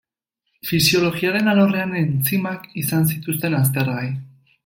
Fisiologiaren alorrean entzimak izan zituen aztergai.